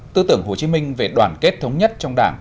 tư tưởng hồ chí minh về đoàn kết thống nhất trong đảng